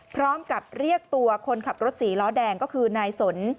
พร้อมกับเรียกตัวคนขับรถสีล้อแดงก็คือนายสน